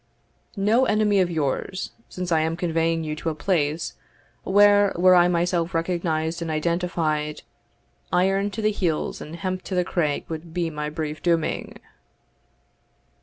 "No enemy of yours, since I am conveying you to a place, where, were I myself recognised and identified, iron to the heels and hemp to the craig would be my brief dooming."